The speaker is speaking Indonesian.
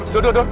duh duh tuh